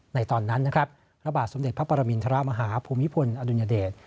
ตอนนั้นนะครับพระบาทสมเด็จพระปรมินทรมาฮาภูมิพลอดุญเดช